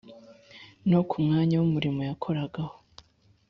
no ku mwanya w’umurimo yakoragaho,